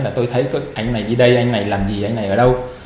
là tôi thấy các anh này đi đây anh này làm gì anh này ở đâu